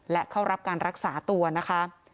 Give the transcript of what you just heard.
และเข้ารับการรักษาตัวนะคะ